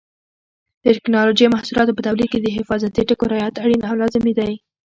د ټېکنالوجۍ محصولاتو په تولید کې د حفاظتي ټکو رعایت اړین او لازمي دی.